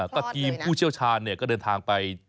ตอนนี้ผู้เชี่ยวชาญเนี่ยก็เดินทางไป